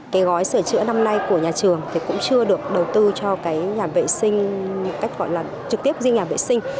cái gói sửa chữa năm nay của nhà trường thì cũng chưa được đầu tư cho cái nhà vệ sinh cách gọi là trực tiếp riêng nhà vệ sinh